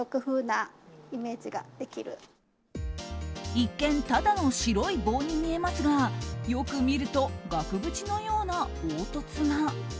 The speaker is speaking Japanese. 一見ただの白い棒に見えますがよく見ると額縁のような凹凸が。